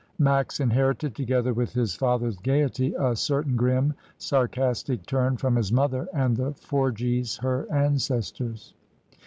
Max inherited, together with his father's gaiety, a certain grim, sarcastic turn from his mother and the Forgies, her ancestors.